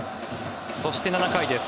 そして、７回です。